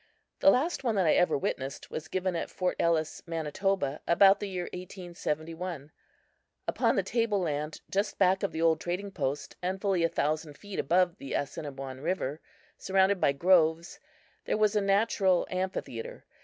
The last one that I ever witnessed was given at Fort Ellis, Manitoba, about the year 1871. Upon the table land just back of the old trading post and fully a thousand feet above the Assiniboine river, surrounded by groves, there was a natural amphitheatre.